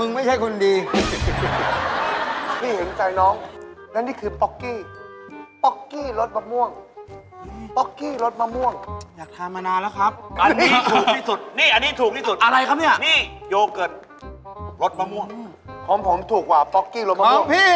อันนี้ถูกที่สุดอันนี้ถูกสุดของผมถูกกว่าอันนี้ข้าวเหนียวมะม่วงเลยนี่